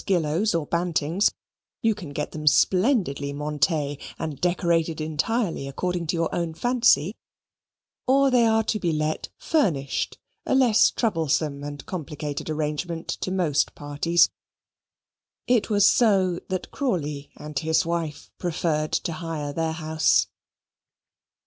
Gillows or Bantings, you can get them splendidly montees and decorated entirely according to your own fancy; or they are to be let furnished, a less troublesome and complicated arrangement to most parties. It was so that Crawley and his wife preferred to hire their house.